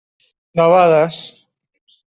Debades.